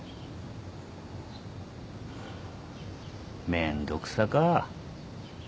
めんどくさか。